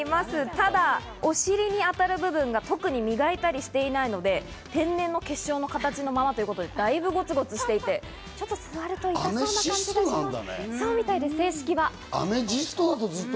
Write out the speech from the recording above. ただ、お尻にあたる部分が特に磨いたりしていないので天然の結晶の形のままということで、大分ごつごつしていて、ちょっと座ると痛そうな感じがします。